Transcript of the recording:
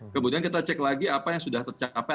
kemudian kita cek lagi apa yang sudah tercapai